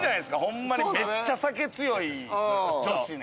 ホンマにめっちゃ酒強い女子ね。